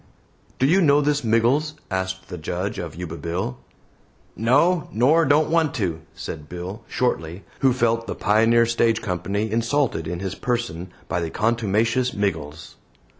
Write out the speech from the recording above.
"Do you know this Miggles?" asked the Judge of Yuba Bill. "No, nor, don't want to," said Bill, shortly, who felt the Pioneer Stage Company insulted in his person by the contumacious Miggles.